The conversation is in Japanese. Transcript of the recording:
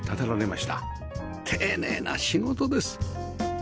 丁寧な仕事です